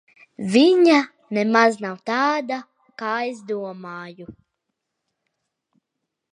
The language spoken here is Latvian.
Viņa nemaz nav tāda, kā es domāju.